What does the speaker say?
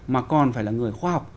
mà còn phải là người khoa học